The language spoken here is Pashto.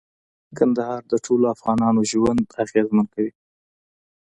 کندهار د ټولو افغانانو ژوند اغېزمن کوي.